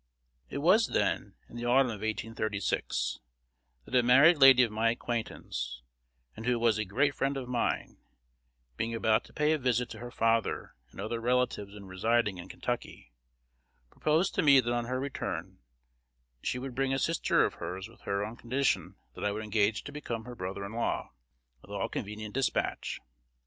It was, then, in the autumn of 1836, that a married lady of my acquaintance, and who was a great friend of mine, being about to pay a visit to her father & other relatives residing in Kentucky, proposed to me that on her return she would bring a sister of hers with her on condition that I would engage to become her brother in law with all convenient despatch.